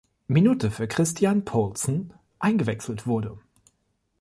Minute für Christian Poulsen eingewechselt wurde.